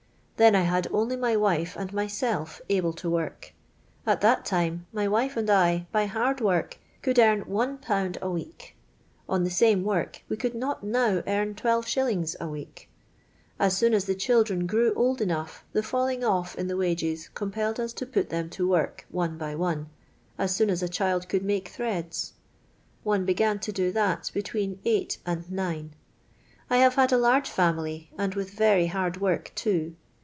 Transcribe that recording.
Then I had only my wife and myself able to work. At that time my wife and I, by hard work, could earn 1/. a week ; on the same work we could not now earn 12i. a week. As soon as the children grew old enough the falling off in the wages compelled us to put them to work one by one — as soon as a child could make threads. One began to do that between eight and nine. I have had a large family, and with very hard work too.